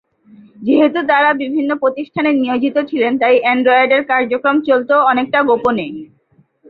যেহেতু তারা বিভিন্ন প্রতিষ্ঠানে নিয়োজিত ছিলেন তাই অ্যান্ড্রয়েডের কার্যক্রম চলতো অনেকটা গোপনে।